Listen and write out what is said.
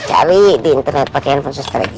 cari di internet pakai handphone susah lagi ya